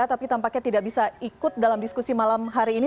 tapi tampaknya tidak bisa ikut dalam diskusi malam hari ini